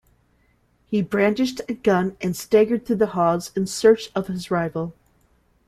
He brandished a gun and staggered through the halls in search of his rival.